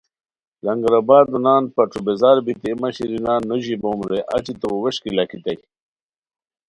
لنگر آبادو نان پݯو بیزار بیتی اے مہ شیرین نان نو ژیبوم رے اچی تو ووݰکی لاکھیتائے